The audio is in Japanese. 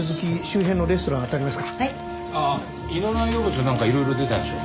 ああ胃の内容物なんかいろいろ出たでしょ？